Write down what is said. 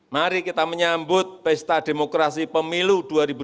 mari kita menyambut pesta demokrasi pemilu dua ribu dua puluh